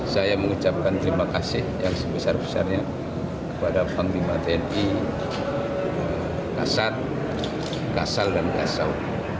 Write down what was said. saya mengucapkan terima kasih yang sebesar besarnya kepada panglima tni kasat kasal dan kasau